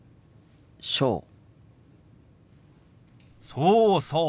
そうそう。